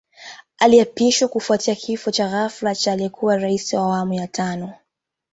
Aliapishwa kufuatia kifo cha ghafla cha aliyekuwa Rais wa Awamu ya Tano